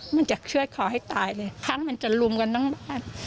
มันจะเชื่อขอให้ตายเลยครั้งมันจะลุมกันทั้งบ้าน